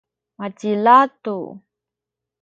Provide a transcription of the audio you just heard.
macilal tu.